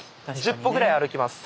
１０歩ぐらい歩きます。